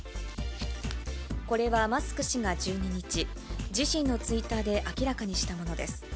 これは、マスク氏が１２日、自身のツイッターで明らかにしたものです。